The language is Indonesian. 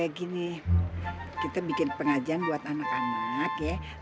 ya gini kita bikin pengajian buat anak anak ya